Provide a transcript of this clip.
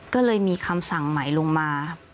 ก็เลยมีคำสั่งใหม่ลงมา